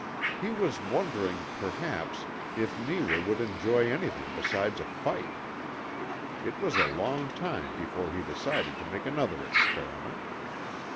He was wondering, perhaps, if Neewa would enjoy anything besides a fight. It was a long time before he decided to make another experiment.